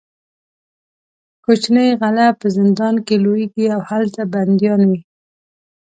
کوچني غله په زندان کې لویېږي او هلته بندیان وي.